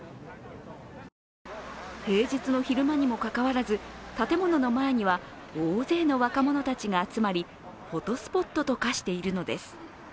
平日の昼間にもかかわらず建物の前には、大勢の若者たちが集まりフォトスポットと化しているのです。